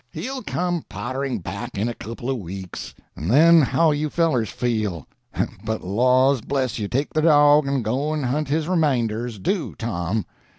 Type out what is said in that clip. He'll come pottering back in a couple of weeks, and then how'll you fellers feel? But, laws bless you, take the dog, and go and hunt his remainders. Do, Tom."